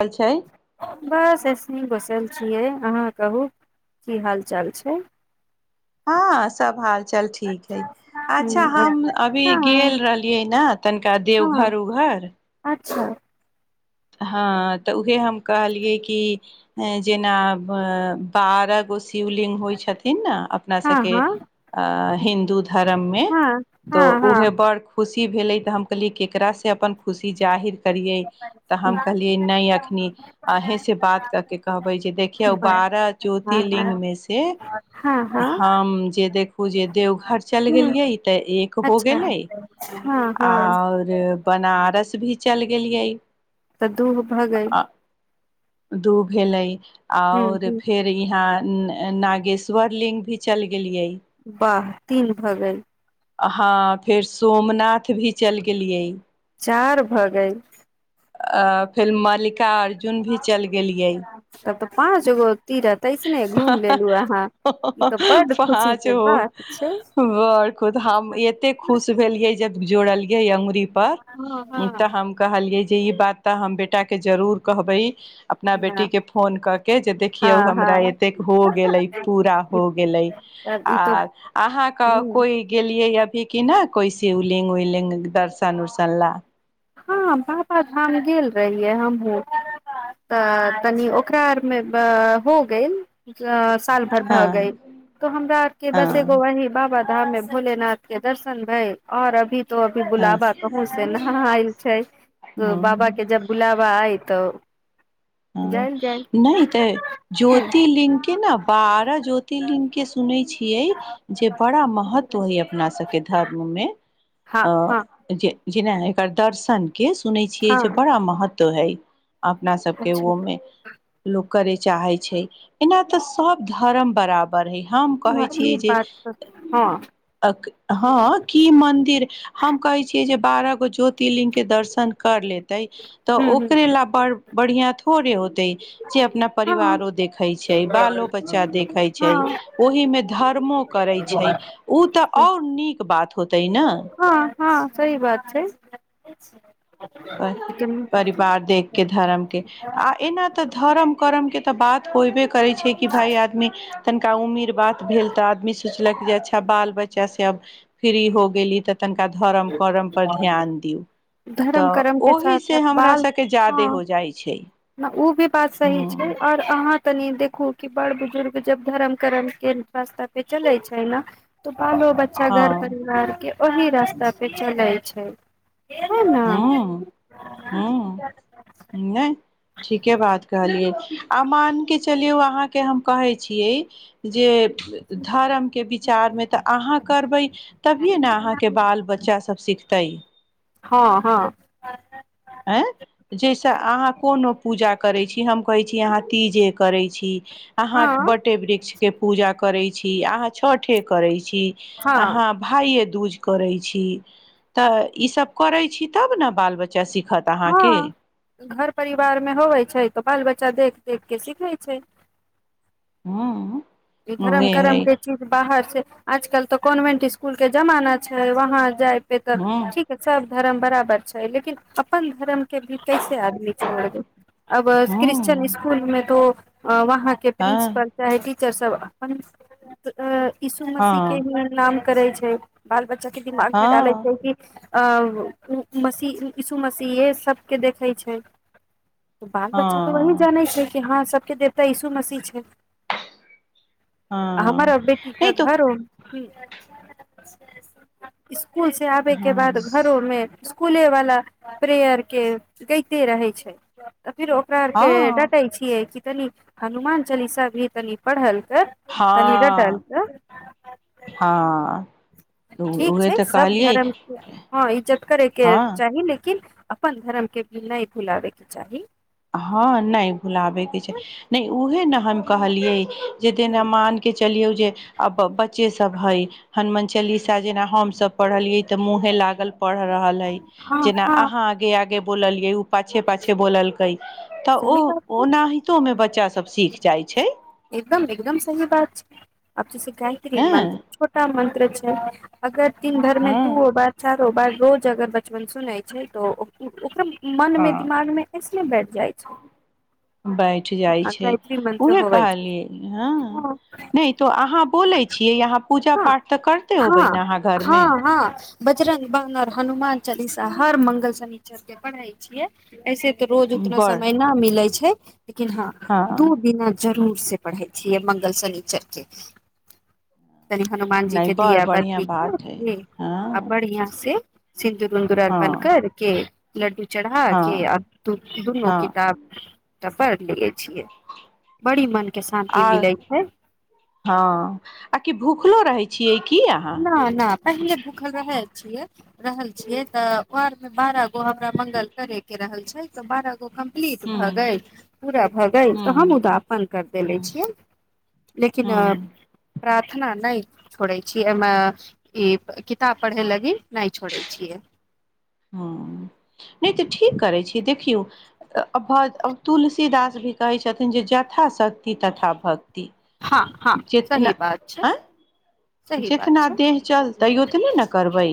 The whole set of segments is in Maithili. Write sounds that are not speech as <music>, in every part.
हाल छै बस एसहि गु बैठल छियै अहाँ कहू की हाल चाल छै हँ सब हाल चल ठीक हइ अच्छा ह हम अभी हँ गेल रहलियै ने तनिका हँ देबघर उघर अच्छा हँ तऽ उहे हम कहलियै कि जेना बार गो सी शिवलिङ्ग होइ छथिन ने अपना हँ सभकेँ हँ हिन्दू धर्म मे हँ तो हँ उह हँ बड़ खुशी भेले तऽ हम कहलि केकरा से अपन खुशी जाहिर करियै तऽ हम कहलियै, नहि एखनि अहींसँ बात कऽ कऽ कहबै जे देखियौ, बारह हँ हँ हँ ज्योतिर्लिंगमे सँ हँ हम देवघर देख ह लेलियै, तऽ एकटा तऽ पूरा भऽ अच्छा गेलै। हँ हँ आओर बनारस भी चल गेलियै तऽ दू गो भऽ गेल अ, दू भेलै ओर ह फेर एहाँ नागेश्वर लिंग भी चल गेलिये वाह तीन भऽ गेल हाँ फेर सोमनाथ भी चलि गेलियै। चार भऽ गेल आ फिल्म मालिक शिका अर्जुन भी चलि गेलियै पाँचगो ई तऽ बड्ड खुशी पाँच के बात छै बड़ खुद हम एते खुश भेलियै जब जोड़लिय अ्री पर हँ तऽ हँ हम कहलियै जे ई बात तऽ हम बेटाके जरूर कहबै अपना बेटी के फोन कऽ के देखियौ हँ हम हँ एत हो गेलै पूरा हो गेलै ई आ तऽ अहाँके ह कोइ गेलियै फ किी न कोइस उलिंग उलिंग दर्शन उर्शन ल हँ बाबाधाम गेल रहियै हमहहुँ तऽ तनी ओ अकरारमे हो गेल साल भर भ हँ गई तो हमरा आर के बस एगो हँ वही बाबा धाम मे भोलेनाथ के दर्शन भएऔर अभी तो अभी गुलाब आ कहूं से ने ल छै तो बाबा हँ के जब बुलाबा आय तऽ ह जायल जाय नहि तऽ ज्योतिर्लिंग के ने बारह ज्योतिर्लिंग के सुनै छी जे बड़ा महत्व हय अपना सबके धर्म मे हँ आ हँ जे जे नहि एकर दर्शन के सुन छीये जे हँ बड़ा महत्व हइ अपना के अच्छा ओमे लोक करे चाहे छै एना ते सब धर्म बराबर हे हम कहै छियै ई जे बात तऽ हँ हँ, मन्दिर बारह गो ज्योतिर्लिङ्गमे सँ एकटा छै। के दर्शन कर लेत तऽ ह ओकरे ला बड़ बढ़ििया भोरे हो जे अपना ह हँ परिवारो देखैत छै बालो बच्चा देखैत छै ओहिमे धर्मो करैत छै ओ तऽ हँ आओर नीक बात होतै ने हँ हँ सही बात छै अच्छा परिवार देखके धर्म के आ एना तऽ धर्म करम के तऽ बात होयबे करै छै कि भाय आदमी तनिका उम्मीर बात भेल तऽ आदमी सोचलक जे अच्छा बाल बच्चा से आब फ्री हो गेल ली तऽ तननका धरम करम पर ध्यान धर्म दियऔ कर्म के ओहि साथ से हमरा सबके जाादे हो जाइ छै ओ भी बात सही छै ह आओर अहाँ तनी देखु कि बड़ बुजुर्ग जब धर्म करम के रास्ता पे चले छै ने तो बालो बच्चा घर परिवार के ओह रास्ता पे चले छै है न हू हुँ नहि ठीके बात कहलियै आ मान कऽ चलियौ अहाँके हम कहै छियै जे धर्मके विचारमे तऽ अहाँ करबै तभिे ने अहाँके बाल बच्चास सब सिखतै हँ हँ आँय जाहिसँ अहाँ कोनो पूजा करैत छी हम कहैत छी अहाँ तीजे करैत छी अहाँ हँ बटे वृक्ष के पूजा करै छी अहाँ छठे करै छी छी हँ अहाँ भाईये कुछ करै छी त ई सब करै छी तब ने बाल बच्चा सीख हँ घर परिवार मे होवे छै तऽ बाल बच्चा देख देख के सिखै छै हुँ ई धर्म करम के चीज बाहर आजकल तऽ कॉन्वेंट स्कूल के जमाना छै वहा जाय तेतर ह ठीक सब धर्म बराबर छै लेकिन अपन धर्म लेकिन कैसे आदमी छोड़त अब क्रिश्चन हँ स्कूल में तो हँ वहाँ के हँ प्रिंसिपल चाहे टीचर सब अपन यसु मसीहके हँ ही नाम करै छै बाल बच्चा के दिमागमे डालै हँ छै कि अब मशी इशु मसीहे सबके देखै छै तऽ बाल बच्चा तऽ वही हँ जानै छै कि हँ सब के देवता यीसू मसीह छै हँ हमर अभी ठीक नहि ठाक तो घर उ ह <inaudible> इस्कूल से आबे के हँ बाद घरो मे कुले वाला प्रेयर के गइते रहे छै फिर ओकरा आर के हँ डाँटै छियै कि तनी हनुमान चालीसा भी तनी पढ़ल तनीर डाल हँ कऽ हँ तऽ ठीक उहे छै तऽ सब कहलियै धर्म के हँ इज्जत करै के हँ चाही लेकिन अपन धर्म के भी नहि भुलाबेके चाही हँ नहि भुलाबेके छै नहि उहे ने हम कहलियै जे जेना मान के चलियौ जे बच्चे सब हे हनुमान चालीसा जेना हम सब पढ़लियै ते मुहे लागल पढ़ रहल हइ हँ जेना हँ अहाँ आगे आगे बोललियै उ पाछे पाछे बोलल कई सही बात बच्चा सब छै सीख जाइ छै एकदम एकदम सही बात छै आब जैसे गायत्री हँ मंत्र छोटाा मंत्र छै अगर तीन घरमे दू हँ हो बा चार ओ बाद रोज अगर बचपन सुनै छै तऽ उ ओकरा मन मे हँ दिमाग मे ऐसने बेठ जैत छै बैठ कि जाइ हँ छै गायत्री मंत्र उह होवै छै कहलियै हँ नहि तो अहाँ बोलै छियै अहाँ पूजा ह पाठ तऽ करते होबै हँ ने अहाँ घरमे हँ हँ बजर्ंग बान आ हनुमान चालीसा हर मंगल शनीचर के पढ़ै छियै ऐसे रोज उतना बड़ समय ना मिले छै <inaudible> लेकिन हँ दू बिना जरूर से पढ़ै छियै मंगल शनीचर के तनि हनुमान जी नहि के बड़ दिया बढ़िआँ बाती कऽ बात हइ के आ हँ बढ़िया से सिन्दूर उन्दूर अरपान हँ कैर के लडडू चढ़ा के हँ आब दू दुनू हँ किताब त पैर लिए छिये बड़ी मन के शान्ति आ मिलै छै हँ आ कि भूखलो रहै छियै की अहाँ ना ना पहिले भूखल रह छिये रहल छियै तऽ ओ अर मे बारह गो हमरा मगल करै के रहल छै तऽ बारह गो कम पिलिट भऽ ह्म गेल पूरा भऽ गेल तऽ हम ह्म उदापन कर देले ह्म छियै लेकिन अ ह्म रात एतना नइ छोड़ै छियै एहिमे ई किताब पढ़य लागी नइ छोड़ै छियै ह नइ तऽ ठीक करै छी देखियौ अभद अ तुलसीदास भी कहै छथिन जे जथा शक्ति तथा भक्ति हँ हँ सही जेतना बात छै आय सही बात जितना छै देह चलतै उतने न करबै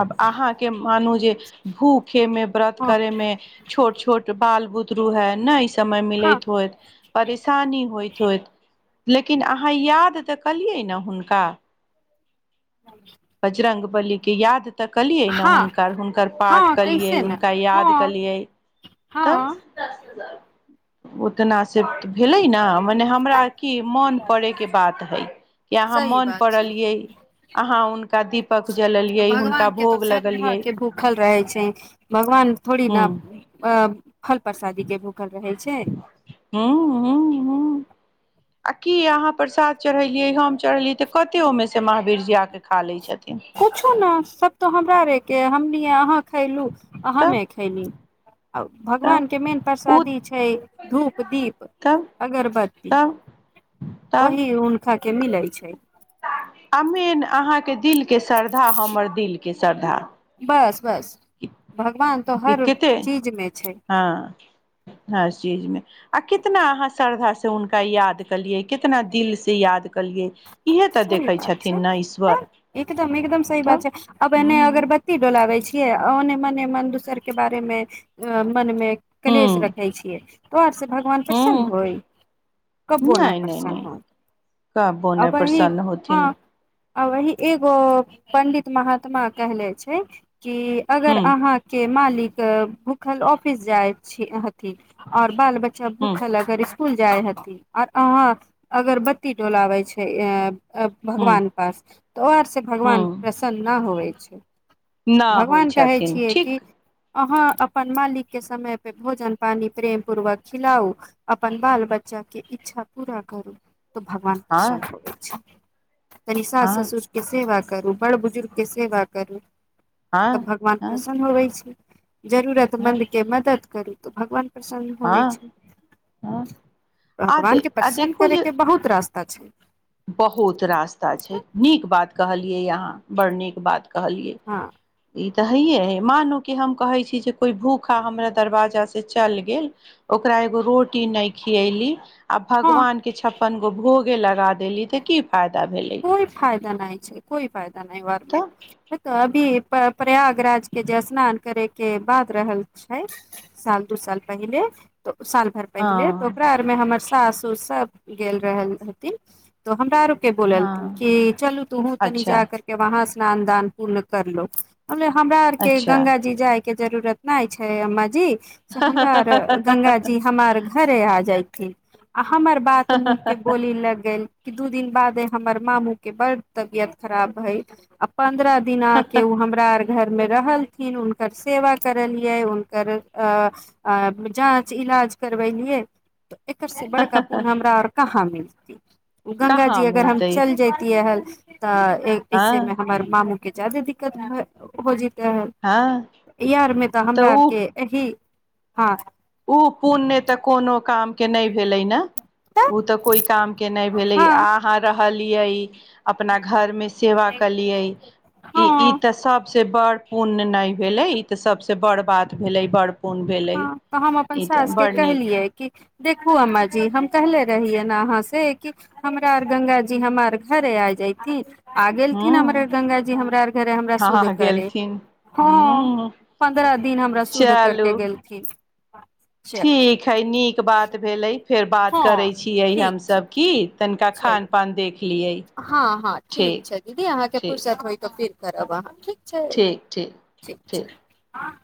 आब अहाँके मानू जे भूखे मे व्रत हँ करेमे छोट छोट बाल बु दरू हइ नइ समय हँ मिलैत होइत परेशानी होइत होइत लेकिन अहाँ याद तऽ कलियै न हुनका बजरंग बलि कि याद तऽ केलियै न हँ हुनकर हुनकर पाठ हँ केलियै कैसे ने हुनका याद हँ केलियै तऽ हँ उतना सिप्त भेलै न मने हमरा तऽ की मोन परै के बात हइ कि अहाँ सही मोन बात छै परलियै अहाँ हुनका दीप पक जले भगवान के तो शर्धा के भूखल रहे छै भगवान थोड़ी हूँ न अ फल प्रसादी के भूखल रहै हू हू हू आ की अहाँ प्रसाद चढ़ेलियै हम चढ़ेलियै तऽ कते ओहिमे से महावीर जी आ के खा लै छथिन त हमरा अरे के हमनी आ आहाँक खलू आ तब हमे खैली आ भगवान के मेन तब ओ प्रसादी छै धूप दीप तब अगरबत्ती तब ओहि हुनका के मिलै छै अमीन अहाँ दिल के श्रद्धा हमर दिल के श्रद्धा बस बस भगवान तो हर कते चीजमे छै हँ हर चीजमे आ कितना अहाँ श्रद्धासँ हुनका याद केलियै कितना दिल से याद कलियै सही बात छै तब एकदम एकदम सही बात तब छै अब एने अगरबत्ती डोलाबे छियै आ ओने मने मन दूसर के बारे मे अ मनमे ह ह कलेश रखै छियै तऽ ओ अर से भगवान प्रसन्न ह होय कबबो न नहि नहि प्रसन्न नहि कहबो नहि होय वही प्रसन्न होथिन हँ आ वही एगो पंडित महात्मा कहले छै की अगर ह अहाँ के मालिक भूखल ऑफिस जाइ छी अह आऔर बाल बच्चा ह भूखल अगर इस स्कूल जाय हती आऔर आहाँ अगरबत्ती डोलावे छै छै। हूं भगवान पास तऽ आर से भगवान हूं प्रसन्न न होवे छैय ना होइ छथिन ठीक आहाँ अपन मालिक के समय पे भोजन पानी प्रेम पूर्वक खिलाउ अपन बाल बच्चा के इच्छा पूरा करू तो भ हँ पसन्द होइ छै तनि साास हँ ससुर क सेे बात करू बड़ बुजुर्गके सेवा करू तऽ हँ भगवान हँ प्रसन्न होबै छै हँ जरूरतमन्द के मदद करू तोऽ भगवान प्रसन्न होइ हँ छै हँ आ दे भगवान के आ प्रसन्न देखू करे के जे बहुत रास अच्छा बहुत रास्ता छै नीक बात कहलियै यहाँ बड़ नीक बात कहलियए हँ ई तऽ हैयेइ मानू कि हम कहै छी जे कोइ भूखा हमरा दरवाजासँ चलि गेल ओकरा एगो रोटी नहि खियली आ हँ भगवान के छपन भोगे लगात देली तऽ की फायदा भेलै कोइ फायदा नहि छै कोइ फायदा कोई बात नहि तऽ तऽ अभी प्रयागराज के जे स्नान करय के बाद रहल छै साल दू साल पहिले त साल भरि पहिले तऽ हँ ओकरा आरमे हमर सासस सब गेल रहल हथिन तऽ हमरा आर के बोलल ती हँ क चलू तूहू तनी जा अच्छा करके वहाँ से स्नान दान पूर्ण करलोथ हमे हमरा आर के अच्छा गंगा जी जाय के जरूरत नहि छै अम्माजी से हमरा आर गंगा जी हमार घरे आ जाय ठीक आ हमर बात मुँह के बोली लग गेल दू दिन बादे हमर मामू के बड़ तबियत खराब हय आ पन्द्रह दिना के उ हमरा घरमे रहलथिन हुनकर सेवा करलियै हुनकर जाँच इलाज करबेलियै एकर से बड़का पुन हमरा आऔर कहाँ मिल अ गङ्ंगा जी कहाँ अगर हम मिलतै चल जेतीय हल ह तऽ आँ इसे में हमर मामू के जाादे दिक द होजी <inaudible> त हँ इहरमे तऽ हमरा आरके एहिही हँ ओ पुण्य तऽ कोनो काम के नहि भेलै ने ओ तऽ कोइ काम के नहि भेलै हँ अहाँ खलिए आइ अपना घरमे सेवा केलियै ई ई हँ तऽ सभ से बड़ पुण्य नहि भेलै ई तऽ सबसँ बड़ बात भेलै बड़ पुण्य भेलै हँ तऽ हम अपन ई तऽ सास के बड़ नीक कहलियै कि देखू अम्मा जी हम कहले रहियै ने अहाँ से कि हमरार गङंगााजी हमार घरे आ जयथिन आ गेलथिन हूँ हमर गंगााजी हमरार घरे हमरा शुद्ध हँ करे गेलथिन हँ हूँ पन्द्रह दिन हमरा शुद्ध चलू करके गेल ठीक हइ नीक बात भेलै फेर बात करै हँ छियै ठीक छै हमसब की तनिका चलू खान पान देख लियै हँ हँ ठीक छै दीदी अहाँके ठीक फुरसत होयत फिर करब अहाँ ठीक छै ठीक छै हँ